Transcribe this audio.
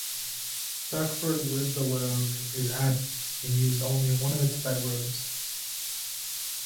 Beckford lived alone in his abbey and used only one of its bedrooms.